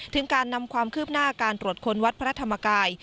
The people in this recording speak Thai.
ถึงการนำความคืบหน้าการตรวจค้นวัดพระธรรมกาย